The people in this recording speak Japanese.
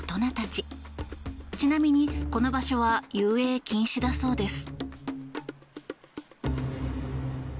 ちなみに、この場所は遊泳禁止だそうです。